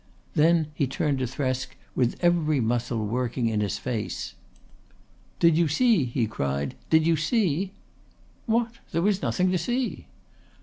Then he turned to Thresk with every muscle working in his face. "Did you see?" he cried. "Did you see?" "What? There was nothing to see!"